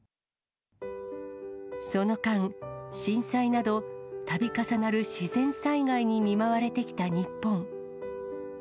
その間、震災など、度重なる自然災害に見舞われてきた日本。